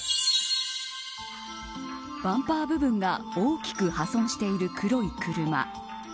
バンパー部分が大きく破損している黒い車。